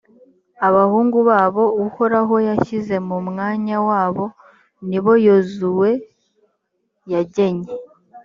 abahungu babo uhoraho yashyize mu mwanya wabo, ni bo yozuwe yagenye